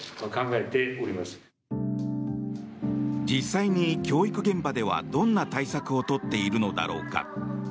実際に教育現場ではどんな対策を取っているのだろうか。